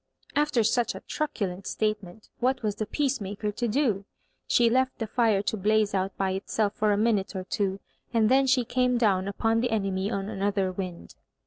After such a truculent statement, what was the peacemaker to do? She left the fire to blaze out by itself for a minute or two, and then she came down upon the enemy on another wind.